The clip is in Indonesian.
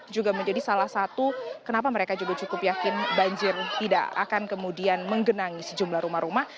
juga menjadi salah satu kenapa mereka juga cukup yakin banjir tidak akan kemudian menggenangi sejumlah rumah rumah